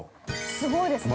◆すごいですね。